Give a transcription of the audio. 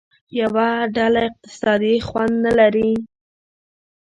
یوه ډله اقتصادي خوند نه لري.